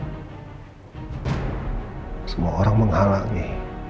soal reina semua orang menghalangi